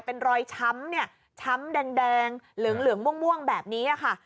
เป็นรอยช้ำเนี่ยช้ำแดงเหลืองม่วงแบบนี้ค่ะ